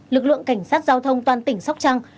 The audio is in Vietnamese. lực lượng cảnh sát giao thông toàn tỉnh sóc trăng